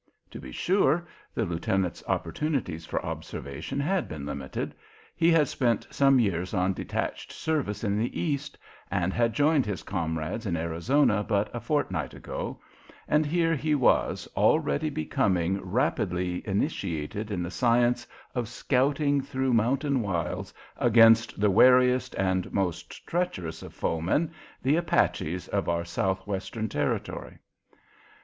To be sure, the lieutenant's opportunities for observation had been limited. He had spent some years on detached service in the East, and had joined his comrades in Arizona but a fortnight ago, and here he was already becoming rapidly initiated in the science of scouting through mountain wilds against the wariest and most treacherous of foemen, the Apaches of our Southwestern territory.